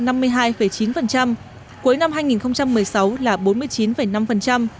cuối năm hai nghìn một mươi sáu là bốn mươi chín năm cho vay mua trang thiết bị gia đình chiếm một mươi năm ba